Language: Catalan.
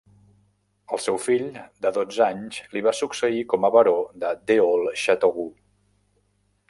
El seu fill, de dotze anys, li va succeir com a baró de Deols-Chateroux.